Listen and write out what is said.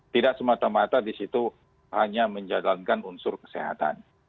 tidak semata mata di situ hanya menjalankan unsur kesehatan